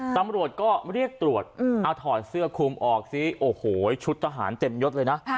ตำรวจก็เรียกตรวจเอาถอดเสื้อคุมออกซิโอ้โหชุดทหารเต็มยดเลยนะ